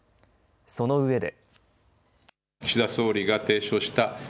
そのうえで。